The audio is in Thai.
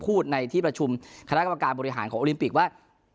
พูดในที่ประชุมคณะกรรมการบริหารของโอลิมปิกว่า